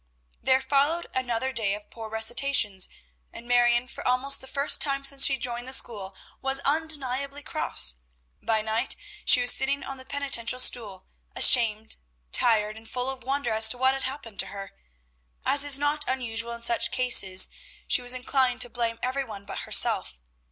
There followed another day of poor recitations, and Marion, for almost the first time since she joined the school, was undeniably cross. By night she was sitting on the penitential stool, ashamed, tired, and full of wonder as to what had happened to her. As is not unusual in such cases, she was inclined to blame every one but herself.